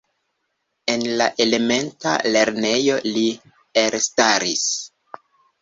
En la elementa lernejo li elstaris.